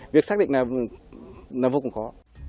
việc xác định là vô cùng khó